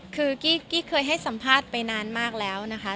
คือกี้เคยให้สัมภาษณ์ไปนานมากแล้วนะคะ